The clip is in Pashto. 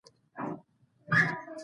د پښتو هنرمندانو نوم به نوره نړۍ واوري.